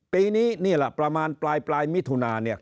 ปีนี้นี่แหละประมาณปลายมิถุนาเนี่ย